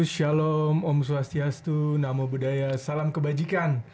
shalom om swastiastu namo buddhaya salam kebajikan